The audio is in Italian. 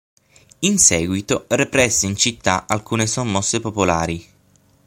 In seguito represse in città alcune sommosse popolari.